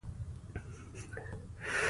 د هغه پلار غوښتل چې پاولو انجنیر شي.